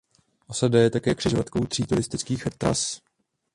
Osada je také křižovatkou tří turistických tras.